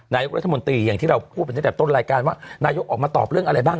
นายกรัฐมนตรีอย่างที่เราพูดไปตั้งแต่ต้นรายการว่านายกออกมาตอบเรื่องอะไรบ้าง